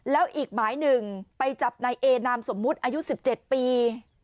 แล้วอีกหมายหนึ่งไปจับนายเอนามสมมุติอายุ๑๗ปี